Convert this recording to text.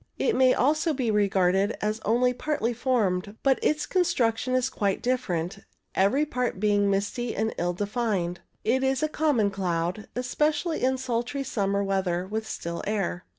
It may also be regarded as only partly formed, but its construction is quite different, every part being misty and ill defined. It Is a common cloud, especially in sultry summer weather with still air.